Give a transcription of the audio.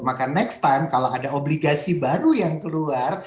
maka next time kalau ada obligasi baru yang keluar